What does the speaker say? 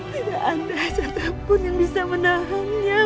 tidak ada satupun yang bisa menahannya